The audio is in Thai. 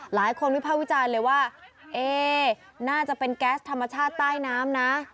วิภาควิจารณ์เลยว่าเอ๊น่าจะเป็นแก๊สธรรมชาติใต้น้ำนะ